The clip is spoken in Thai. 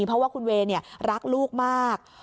เพราะว่าคุณเวย์รักลูกมาก